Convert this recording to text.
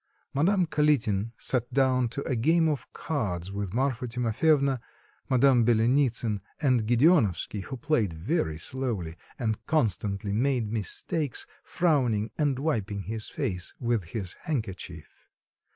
Madame Kalitin sat down to a game of cards with Marfa Timofyevna, Madame Byelenitsin, and Gedeonovsky, who played very slowly, and constantly made mistakes, frowning and wiping his face with his handkerchief.